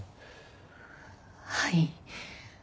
はい。